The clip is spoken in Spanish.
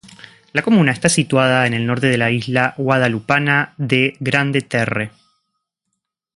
La comuna está situada en el norte de la isla guadalupana de Grande-Terre.